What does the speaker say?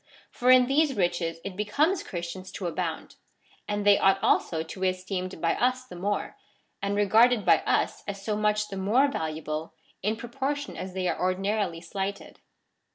For in these riches it becomes Christians to abound ; and they ought also to be esteemed by us the more, and regarded by us as so much the more valuable, in proportion as they are ordinarily slighted.